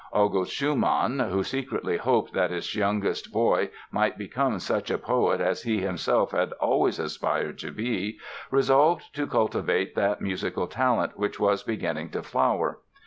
August Schumann, who secretly hoped that his youngest boy might become such a poet as he himself had always aspired to be, resolved to cultivate that musical talent which was beginning to flower.